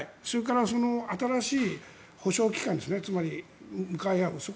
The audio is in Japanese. それから新しい保証機関ですねつまり、向かい合う。